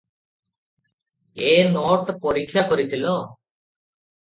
"ଏ note ପରୀକ୍ଷା କରିଥିଲ?"